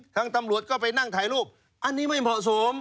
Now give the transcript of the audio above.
ตำรวจก็ไปนั่งถ่ายรูปอันนี้ไม่เหมาะสม